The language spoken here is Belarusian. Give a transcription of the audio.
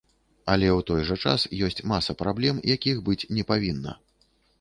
Але ў той жа час ёсць маса праблем, якіх быць не павінна.